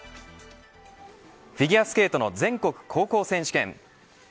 フィギュアスケートの全国高校選手権。